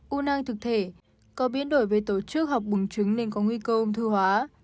u nang thực thể có biến đổi với tổ chức học bùng trứng nên có nguy cơ ung thư hóa